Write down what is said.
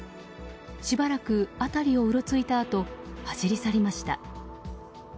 しばらく辺りをうろついたあと走り去りました。